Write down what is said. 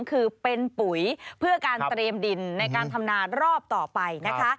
คือเป็นปุ๋ยเพื่อการเตรียมดินในการทำนารอบต่อไปนะคะ